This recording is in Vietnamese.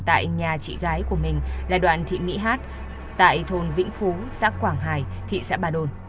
tại nhà chị gái của mình là đoàn thị mỹ hát tại thôn vĩnh phú xác quảng hải thị xã ba đôn